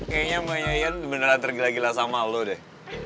dok kayaknya makanya ian beneran tergila gila sama lo deh